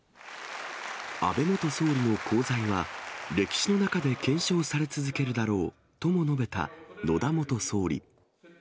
安倍元総理の功罪は、歴史の中で検証され続けるだろうとも述べた野田元総理。